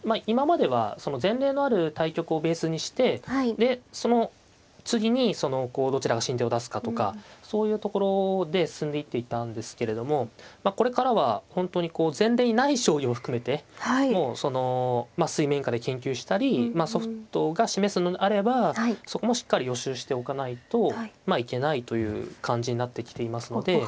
今までは前例のある対局をベースにしてでその次にどちらが新手を出すかとかそういうところで進んでいっていたんですけれどもまあこれからは本当にこう前例にない将棋も含めてもうその水面下で研究したりまあソフトが示すのであればそこもしっかり予習しておかないとまあいけないという感じになってきていますので。